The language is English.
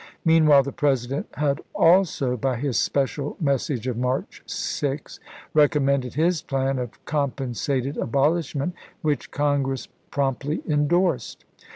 Meanwhile the President had also, by his special message of March 6, recommended his plan of com pensated abolishment, which Congress promptly indorsed.